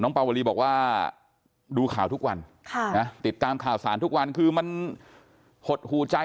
ปาวลีบอกว่าดูข่าวทุกวันติดตามข่าวสารทุกวันคือมันหดหูใจ